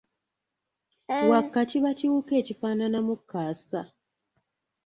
Wakka kiba kiwuka ekifaananamu kaasa.